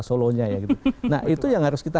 solonya nah itu yang harus kita